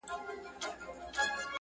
که لومړۍ ورځ يې پر غلا واى زه ترټلى،